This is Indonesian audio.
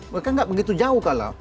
mereka nggak begitu jauh kalah